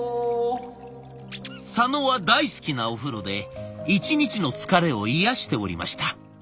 佐野は大好きなお風呂で一日の疲れを癒やしておりました。